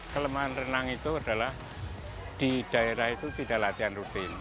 kelemahan renang itu adalah di daerah itu tidak latihan rutin